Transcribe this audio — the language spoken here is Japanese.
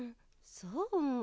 そう。